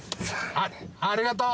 あっありがとう。